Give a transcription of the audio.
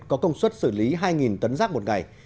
có công suất xử lý hai tấn rác một ngày